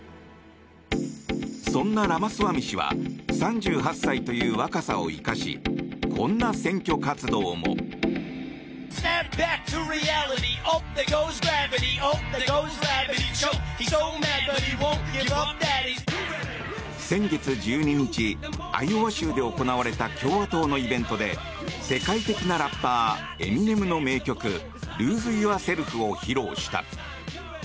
そんなラマスワミ氏は３８歳という若さを生かしこんな選挙活動も。先月１２日、アイオワ州で行われた共和党のイベントで世界的なラッパーエミネムの名曲「ＬｏｓｅＹｏｕｒｓｅｌｆ」を披露した。